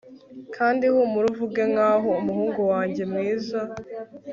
kandi humura uvuge ngaho umuhungu wanjye mwiza